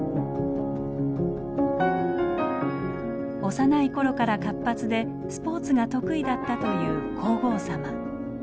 幼い頃から活発でスポーツが得意だったという皇后さま。